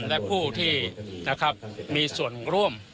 และผู้ที่นะครับมีส่วนร่วม